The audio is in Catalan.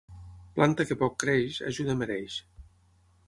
Planta que poc creix, ajuda mereix.